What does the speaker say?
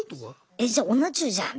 「えっじゃあおな中じゃん！」